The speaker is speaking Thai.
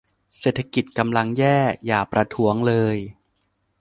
เศรษฐกิจกำลังแย่ อย่าประท้วงเลย